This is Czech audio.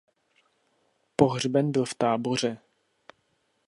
Pohřben byl v Táboře.